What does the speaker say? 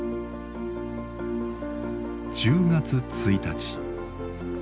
１０月１日。